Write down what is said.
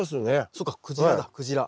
そっかクジラだクジラ。